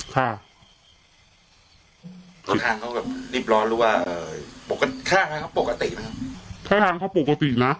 ตอนทางเขาแบบรีบร้อนหรือว่าค่าทางเขาปกติค่าทางเขาปกตินะ